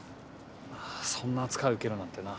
そんな扱い受けるなんてな。